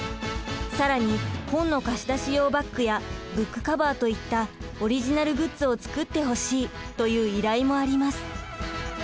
更に本の貸し出し用バッグやブックカバーといったオリジナルグッズを作ってほしいという依頼もあります。